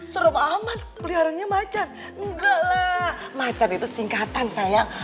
serem amat peliharannya macan nggak lah macan itu singkatan sayang